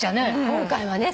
今回はね。